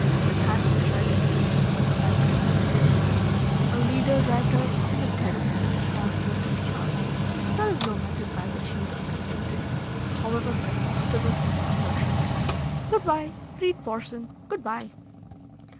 The Times will try to make mischief over that Grecian business. A leader writer is a terribly irresponsible thing, Charles. There is no method by which he may be confuted, however preposterous his assertions. Good bye! Read Porson! Goodbye!"